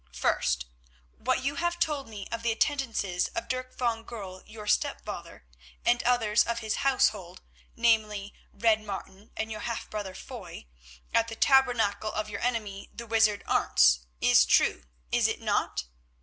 First: What you have told me of the attendances of Dirk van Goorl, your stepfather, and others of his household, namely, Red Martin and your half brother Foy, at the tabernacle of your enemy, the wizard Arentz, is true, is it not?"